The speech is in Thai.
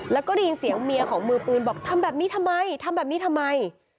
แล้วก็ได้ยินเสียงเมียของมือปืนบอกทำแบบนี้ทำไมทำแบบนี้ทำไม